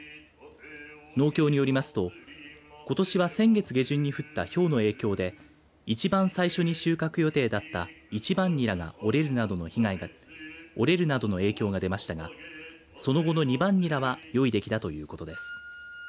農協によりますとことしは先月下旬に降ったひょうの影響でいちばん最初に収穫予定だった１番ニラが折れるなどの影響が出ましたがその後の２番ニラは用意できたということです。